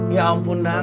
ya ampun dadang